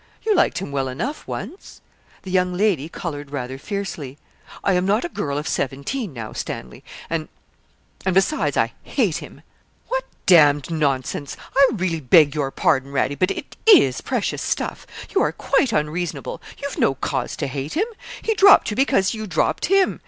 You liked him well enough once.' The young lady coloured rather fiercely. 'I am not a girl of seventeen now, Stanley; and and, besides, I hate him.' 'What d d nonsense! I really beg your pardon, Radie, but it is precious stuff. You are quite unreasonable; you've no cause to hate him; he dropped you because you dropped him.